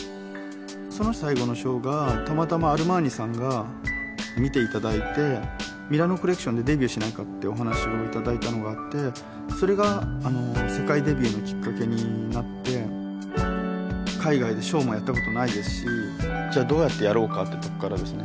その最後のショーがたまたまアルマーニさんが見ていただいてミラノコレクションでデビューしないかってお話をいただいたのがあってそれが世界デビューのきっかけになって海外でショーもやったことないですしじゃあどうやってやろうかってとこからですね